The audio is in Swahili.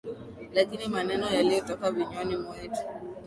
Lakini maneno yaliyotoka vinywani mwetu.